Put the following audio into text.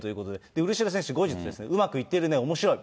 ウルシェラ選手、後日、うまくいっているね、おもしろい。